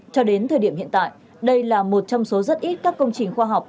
cho đến thời điểm hiện tại đây là một trong số rất ít các công trình khoa học